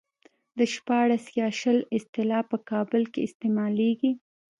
د شپاړس يا شل اصطلاح په کابل کې استعمالېږي.